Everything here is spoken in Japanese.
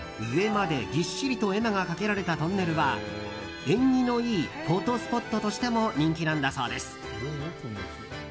上までぎっしりと絵馬がかけられたトンネルは縁起のいいフォトスポットとしても人気なんだそうです。